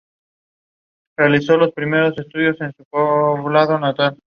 Fueron pintados en madera de cedro, con grabados e incrustaciones de materiales diversos.